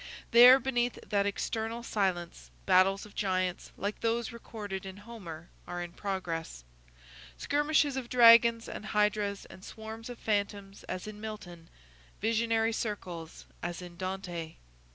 There, beneath that external silence, battles of giants, like those recorded in Homer, are in progress; skirmishes of dragons and hydras and swarms of phantoms, as in Milton; visionary circles, as in Dante.